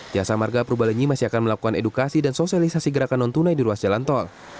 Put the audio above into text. jasa marga purbalenyi masih akan melakukan edukasi dan sosialisasi gerakan non tunai di ruas jalan tol